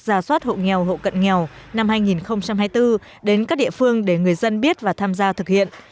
giả soát hộ nghèo hộ cận nghèo năm hai nghìn hai mươi bốn đến các địa phương để người dân biết và tham gia thực hiện